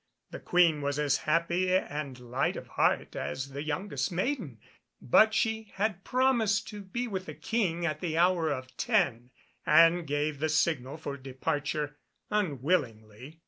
The Queen was as happy and light of heart as the youngest maiden, but she had promised to be with the King at the hour of ten, and gave the signal for departure unwillingly.